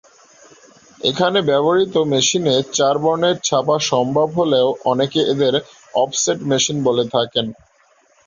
এখানে ব্যবহৃত মেশিনে চার বর্ণের ছাপা সম্ভব বলেও অনেকে এদের অফসেট মেশিন বলে থাকেন।